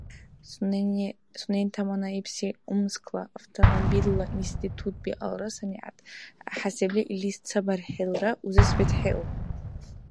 Сунени таманаибси Омскла автомобилла институт биалра, санигӀят хӀясибли илис ца бархӀилра узес бетхӀеур.